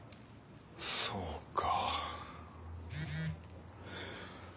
そうか。